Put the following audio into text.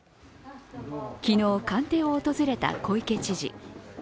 昨日、官邸を訪れた小池知事。